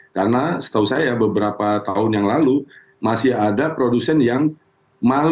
karena setahu saya beberapa tahun yang lalu masih ada produsen yang malu